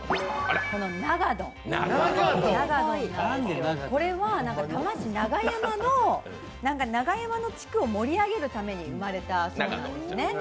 永どん、これは多摩市永山の地区を盛り上げるために生まれたそうなんですよね。